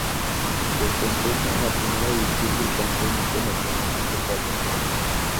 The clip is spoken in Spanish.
Se desempeña en la Primera División del Campeonato Nacional de Fútbol de Cuba.